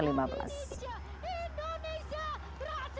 indonesia teraksal untuk menemani